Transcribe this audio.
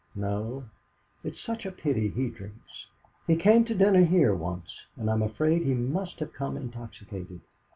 "No." "It's such a pity he drinks. He came to dinner here once, and I'm afraid he must have come intoxicated.